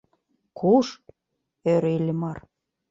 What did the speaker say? — Куш? — ӧрӧ Иллимар.